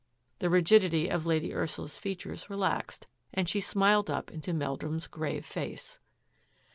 The rigidity of Lady Ursula's features relaxed and she smiled up into Meldrum's grave face.